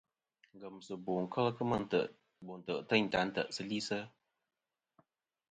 Ngemsiɨbo kel kemɨ no ntè' teyn ta ntè'sɨ li.